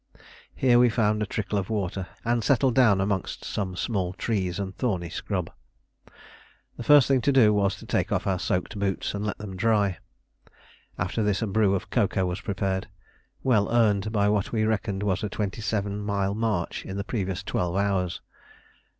Here we found a trickle of water, and settled down amongst some small trees and thorny scrub. The first thing to do was to take off our soaked boots and let them dry; after this a brew of cocoa was prepared well earned by what we reckoned was a 27 mile march in the previous twelve hours.